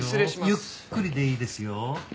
ゆっくりでいいですよ。